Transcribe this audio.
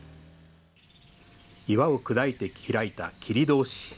岩を砕いて開いた切り通し。